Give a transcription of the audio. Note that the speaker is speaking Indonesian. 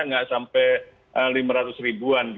tidak sampai rp lima ratus ribuan